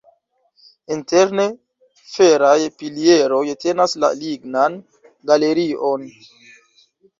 Interne feraj pilieroj tenas la lignan galerion.